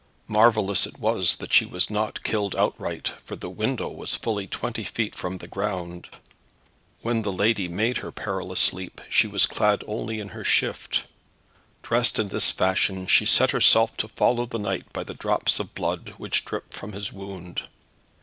Marvellous it was that she was not killed outright, for the window was fully twenty feet from the ground. When the lady made her perilous leap she was clad only in her shift. Dressed in this fashion she set herself to follow the knight by the drops of blood which dripped from his wound.